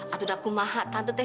atu daku maha tante t